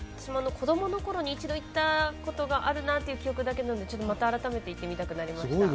子供のころに１度行ったという記憶があるだけなのでまた改めて行ってみたくなりました。